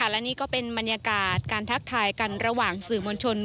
และนี่ก็เป็นบรรยากาศการทักทายกันระหว่างสื่อมวลชน